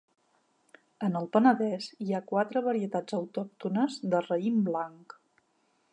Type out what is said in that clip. En el Penedès hi ha quatre varietats autòctones de raïm blanc.